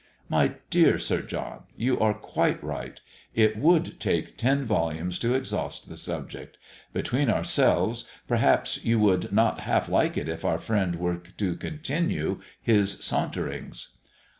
My dear Sir John, you are quite right. It would take ten volumes to exhaust the subject. Between ourselves, perhaps you would not half like it if our friend were to continue his "Saunterings."